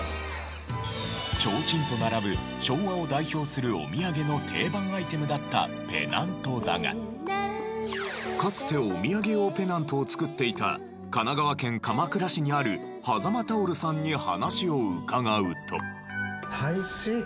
ちょうちんと並ぶ昭和を代表するおみやげの定番アイテムだったペナントだがかつておみやげ用ペナントを作っていた神奈川県鎌倉市にある間タオルさんに話を伺うと。